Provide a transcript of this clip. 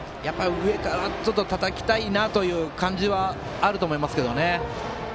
上からちょっとたたきたいなという感じはあると思いますけどね。